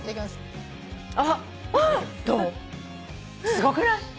すごくない？